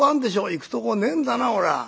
「行くとこねえんだな俺は」。